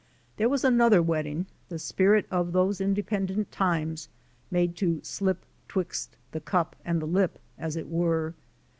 There was another wedding, the spirit of those independent times, made to slip *^Twixt the cup and the lip" as it were.